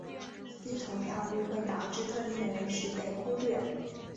低投票率会导致特定的人士被忽略。